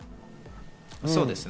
そうですね。